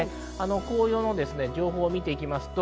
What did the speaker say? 紅葉の情報を見ていきます。